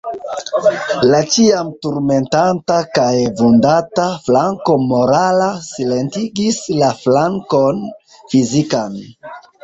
La ĉiam turmentata kaj vundata flanko morala silentigis la flankon fizikan.